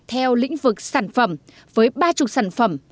theo lĩnh vực sản phẩm với ba mươi sản phẩm